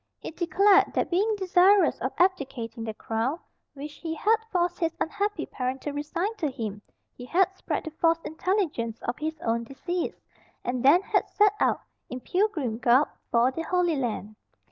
He declared that being desirous of abdicating the crown which he had forced his unhappy parent to resign to him, he had spread the false intelligence of his own decease, and then had set out, in pilgrim garb, for the Holy Land.